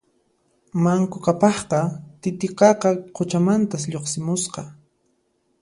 Manku Qhapaqqa Titiqaqa quchamantas lluqsimusqa